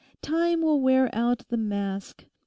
Time will wear out the mask.